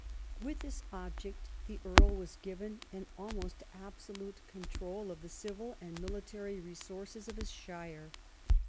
With this object the Earl was given an almost absolute control of the civil and military resources of his shire.